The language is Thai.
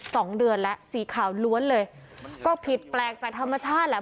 สองเดือนแล้วสีขาวล้วนเลยก็ผิดแปลกจากธรรมชาติแหละ